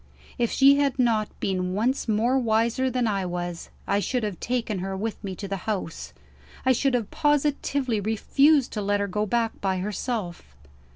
If she had not been once more wiser than I was, I should have taken her with me to the house; I should have positively refused to let her go back by herself.